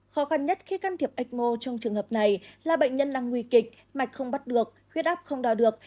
khó khăn nhất khi can thiệp ecmo trong trường hợp này là bệnh nhân đang nguy kịch mạch không bắt được huyết áp không đo được